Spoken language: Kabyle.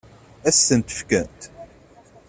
Ad sen-tent-fkent?